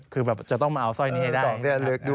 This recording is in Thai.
คือจะต้องมาเอาสร้อยนี่ให้ได้